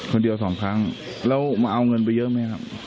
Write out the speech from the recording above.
สองครั้งแล้วมาเอาเงินไปเยอะไหมครับ